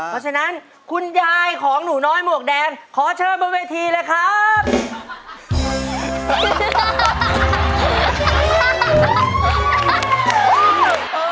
เพราะฉะนั้นคุณยายของหนูน้อยหมวกแดงขอเชิญบนเวทีเลยครับ